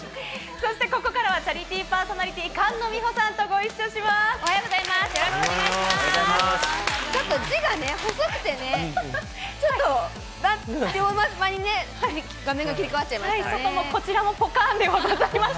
そしてここからはチャリティーパーソナリティー、菅野美穂さんとおはようございます。